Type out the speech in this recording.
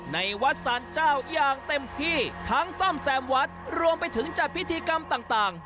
ในวัดสารเจ้าอย่างเต็มที่ทั้งซ่อมแซมวัดรวมไปถึงจัดพิธีกรรมต่าง